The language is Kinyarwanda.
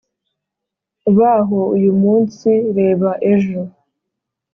baho uyumunsi reba ejo,